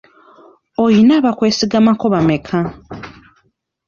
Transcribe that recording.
Oyina abakwesigamako bameka?